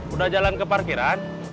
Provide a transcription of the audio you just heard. udah jalan ke parkiran